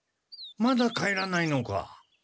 まだ帰らないのか？